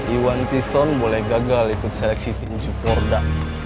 iwan tison boleh gagal ikut seleksi tim jogor da